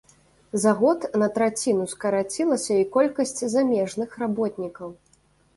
За год на траціну скарацілася і колькасць замежных работнікаў.